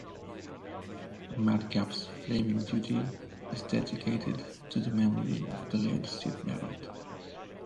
"Madcap's Flaming Duty" is dedicated to the memory of the late Syd Barrett.